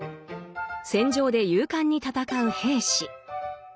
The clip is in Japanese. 戦場で勇敢に戦う兵士。